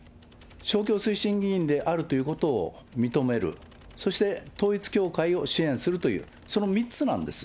勝共推進議員であるということを認める、そして統一教会を支援するという、その３つなんです。